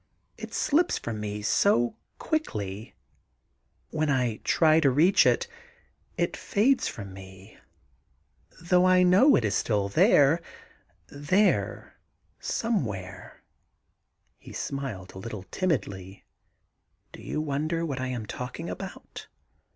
... It slips from me so' quickly. 24 THE GARDEN GOD ... When I try to reach it, it fades from me, though I know it is still there ... there, somewhere' — he smiled a little timidly. *Do you wonder what I am talking about